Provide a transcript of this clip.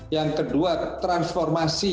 yang kedua transformasi